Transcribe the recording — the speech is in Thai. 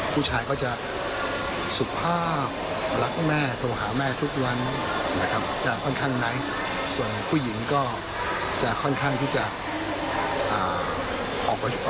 มันก็ชาวนี่ก็ต้องสึกษาดนพะยามเดินแบบ